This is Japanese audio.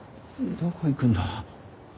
どこ行くんだ？